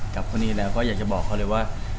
กับคนนี้แล้วก็อยากจะบอกเขาเลยว่า